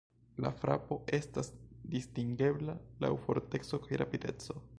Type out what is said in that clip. La frapo estas distingebla laŭ forteco kaj rapideco.